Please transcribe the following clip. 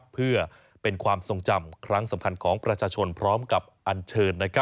เพื่อเป็นความทรงจำครั้งสำคัญของประชาชนพร้อมกับอันเชิญ